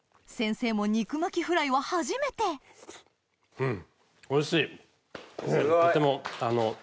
先生も肉巻きフライは初めてうんおいしい。